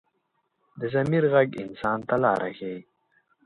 د ضمیر غږ انسان ته لاره ښيي